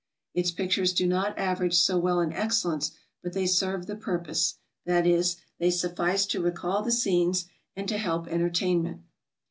Its pictures do not average so well in excellence, but they serve the purpose, that is, they suffice to recall the s»cenes and to help entertainment.